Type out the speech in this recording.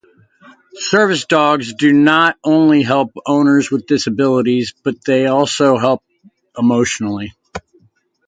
Service dogs do not only help owners with disabilities, but they also help emotionally.